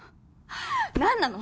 何なの？